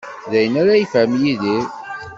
D ayen ara yefhem Yidir.